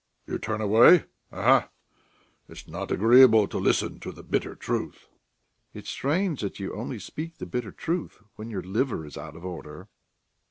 You turn away? Aha! It's not agreeable to listen to the bitter truth!" "It's strange that you only speak the bitter truth when your liver is out of order."